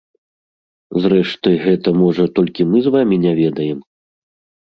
Зрэшты, гэта, можа, толькі мы з вамі не ведаем?